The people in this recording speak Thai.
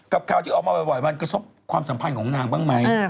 กับเค้าที่ออกมาแบบบ่อยก็ชบความสัมพันธ์ของนางบ้างมั้ย